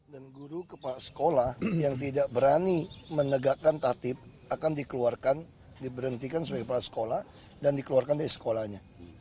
dan guru kepala sekolah yang tidak berani menegakkan tatib akan dikeluarkan diberhentikan sebagai kepala sekolah dan dikeluarkan dari sekolahnya